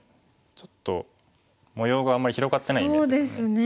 ちょっと模様があんまり広がってないイメージですよね。